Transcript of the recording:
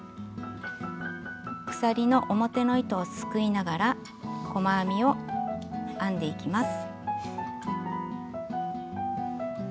鎖の表の糸をすくいながら細編みを編んでいきます。